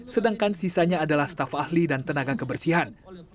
sedangkan sisanya adalah staf ahli dan tenaga kebersihan